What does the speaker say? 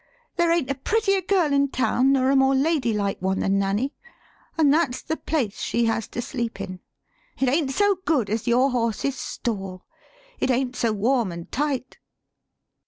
There ain't a prettier girl in town nor a more ladylike one than Nanny, an' that's the place she has to sleep in. It ain't so good as your horse's stall; it ain't so warm an' tight."